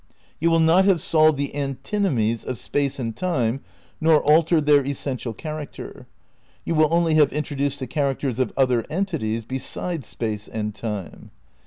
You will not have solved the antinomies of Space and Time nor altered their essential character; you will only have introduced the characters of other entities beside Space and Time.